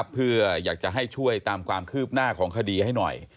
เพื่ออยากจะให้ช่วยตามความคืบหน้าของคดีให้หน่อย